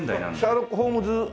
シャーロック・ホームズ以前？